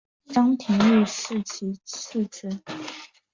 张廷玉是其次子。